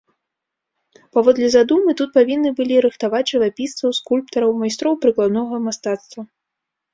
Паводле задумы, тут павінны былі рыхтаваць жывапісцаў, скульптараў, майстроў прыкладнога мастацтва.